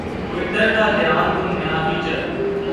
Twitter کا حیران کن نیا فیچر